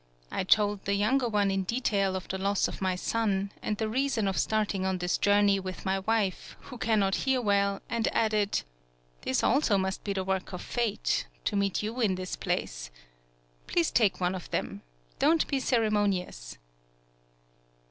I told the younger one in detail of the loss of my son and the reason of starting on this journey with my wife, who cannot hear well, and added: "This also must be the work of fate, to meet you in this place. Please take one of them. Don't be cere monious."